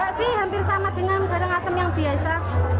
enggak sih hampir sama dengan garang asem yang biasa